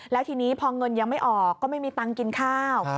แล้วทีนี้พอเงินยังไม่ออกก็ไม่มีตังค์กินข้าว